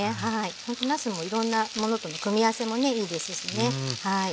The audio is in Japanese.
ほんとなすもいろんなものとね組み合わせもねいいですしね。